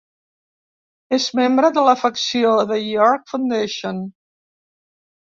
Era membre de la facció The York Foundation.